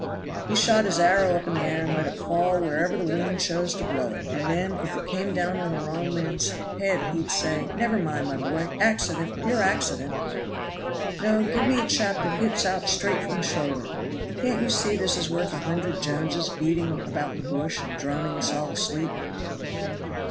He shot his arrow up in the air and let it fall wherever the wind chose to blow it, and then, if it came down on the wrong man's head he'd say, never mind, my boy, accident! pure accident! No! give me a chap that hits out straight from the shoulder. Can't you see this is worth a hundred Joneses beating about the bush and droning us all asleep.